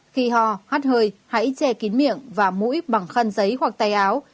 ba khi ho hắt hơi hãy che kín miệng và mũi bằng khăn giấy hoặc tay áo